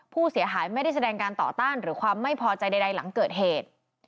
ผู้เสียหายไม่ได้แสดงการต่อต้านหรือความไม่พอใจใดหลังเกิดเหตุ